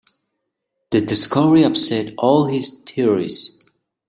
The discovery upset all his theories.